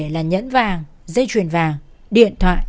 là nhẫn vàng dây chuyền vàng điện thoại